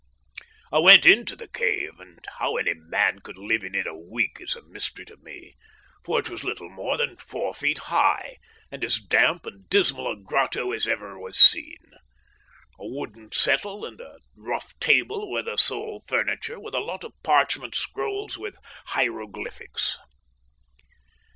I went into the cave, and how any man could live in it a week is a mystery to me, for it was little more than four feet high, and as damp and dismal a grotto as ever was seen. A wooden settle and a rough table were the sole furniture, with a lot of parchment scrolls with hieroglyphics.